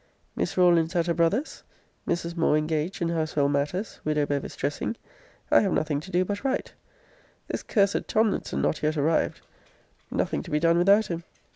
Miss Rawlins at her brothers; Mrs. Moore engaged in household matters; widow Bevis dressing; I have nothing to do but write. This cursed Tomlinson not yet arrived! Nothing to be done without him.